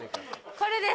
「これです！